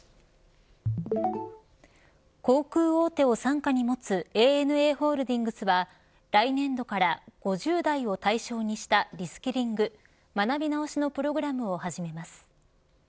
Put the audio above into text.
航空大手を傘下に持つＡＮＡホールディングスは来年度から、５０代を対象にしたリスキリング、学び直しのプログラムを始めます。